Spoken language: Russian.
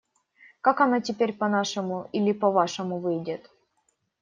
Как оно теперь: по-нашему или по-вашему выйдет?